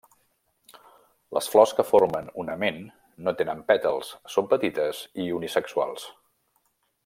Les flors que formen un ament no tenen pètals, són petites i unisexuals.